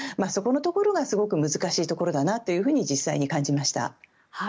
そこのところがすごく難しいところだなと実際に感じました。